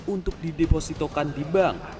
untuk didepositokan di bank